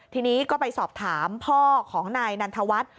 ทีนี้ก็ไปสอบถามพ่อของนายนันทวัฒน์